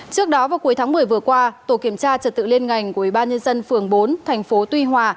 trước đó vào cuối tháng một mươi vừa qua tổ kiểm tra trật tự liên ngành của ybnd phường bốn tp tuy hòa